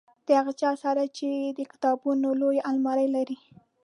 د هغه چا سره دی چې د کتابونو لویه المارۍ لري.